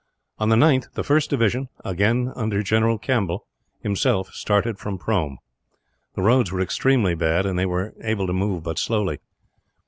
On the 9th the first division, under General Campbell himself, started from Prome. The roads were extremely bad, and they were able to move but slowly.